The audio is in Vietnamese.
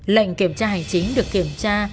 lệnh kiểm tra hành chính được kiểm tra